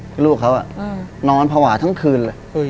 พี่ลูกเขาอะนอนผวาทั้งคืน